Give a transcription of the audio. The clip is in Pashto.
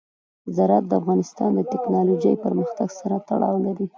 زراعت د افغانستان د تکنالوژۍ پرمختګ سره تړاو لري.